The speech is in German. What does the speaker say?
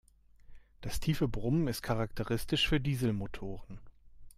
Das tiefe Brummen ist charakteristisch für Dieselmotoren.